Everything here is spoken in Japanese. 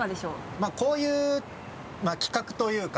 まぁこういう企画というか。